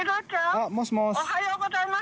おはようございます。